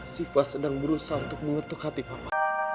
siva sedang berusaha untuk mengetuk hati papa